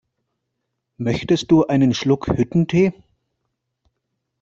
Möchtest du einen Schluck Hüttentee?